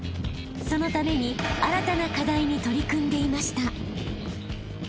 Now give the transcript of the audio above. ［そのために新たな課題に取り組んでいました］